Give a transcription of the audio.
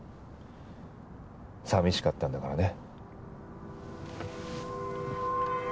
寂しかったんだからね。